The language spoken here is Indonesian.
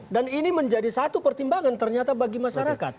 dan ini menjadi satu pertimbangan ternyata bagi masyarakat